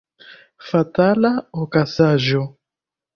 Fatala okazaĵo!